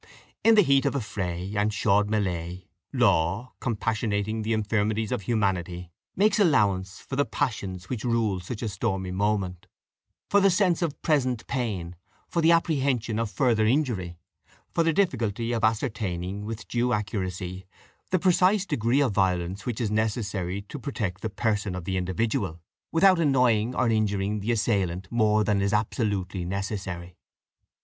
In the heat of affray and chaude melée, law, compassionating the infirmities of humanity, makes allowance for the passions which rule such a stormy moment for the sense of present pain, for the apprehension of further injury, for the difficulty of ascertaining with due accuracy the precise degree of violence which is necessary to protect the person of the individual, without annoying or injuring the assailant more than is absolutely necessary.